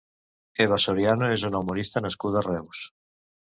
Eva Soriano és una humorista nascuda a Reus.